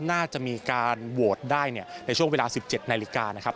น่าจะมีการโหวตได้ในช่วงเวลา๑๗นาฬิกานะครับ